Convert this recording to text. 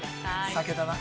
◆酒だな。